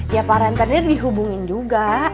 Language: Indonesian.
ya parantenir dihubungin juga